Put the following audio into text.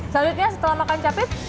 saludnya setelah makan capit